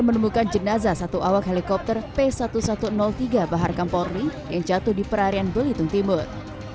menemukan jenazah satu awak helikopter p seribu satu ratus tiga bahar kampori yang jatuh di perarian belitung timur